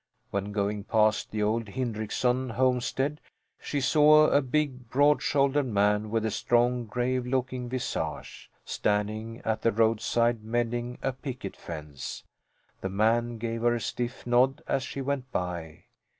When going past the old Hindrickson homestead she saw a big, broad shouldered man, with a strong, grave looking visage, standing at the roadside mending a picket fence. The man gave her a stiff nod as she went by.